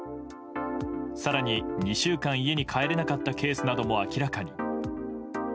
更に２週間、家に帰れなかったケースなども明らかに。